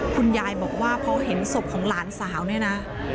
คุณยายบอกว่าพอเห็นศพของหลานสาวเนี่ยนะ